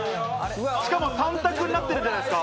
しかも３択になってるんじゃないですか？